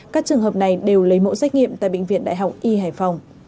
các trường hợp này đều lấy mẫu xét nghiệm tại bệnh viện đại học y hải phòng